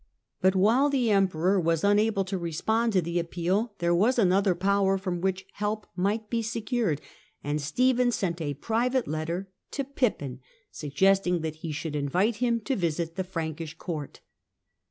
But while the Emperor was unable to respond to the appeal there was another power from whom help might be secured, and Stephen sent a private letter to Pippin suggesting that he should invite him to visit the Frankish Court.